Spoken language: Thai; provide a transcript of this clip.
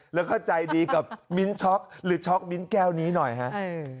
แล้วก็ใจดีกับมิ้นช็อกหรือช็อกมิ้นแก้วนี้หน่อยฮะ